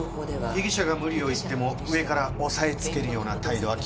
被疑者が無理を言っても上から押さえつけるような態度は禁物です。